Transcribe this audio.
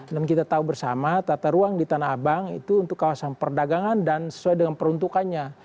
dan kita tahu bersama tata ruang di tanah abang itu untuk kawasan perdagangan dan sesuai dengan peruntukannya